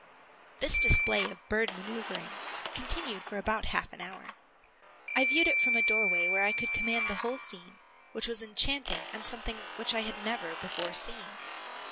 This display of bird maneuvring continued for about half an hour. I viewed it from a doorway where I could command the whole scene, which was enchanting and something which I had never before seen.